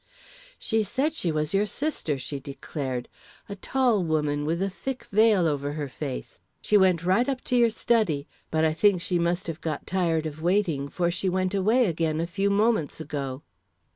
"She said she was your sister," she declared. "A tall woman with a thick veil over her face. She went right up to your study, but I think she must have got tired of waiting, for she went away again a few moments ago."